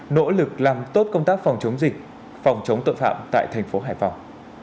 nỗ lực làm tốt công tác phòng chống dịch phòng chống tội phạm tại thành phố hải phòng